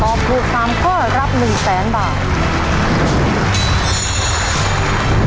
ตอบถูก๓ข้อรับ๑๐๐๐๐๐บาท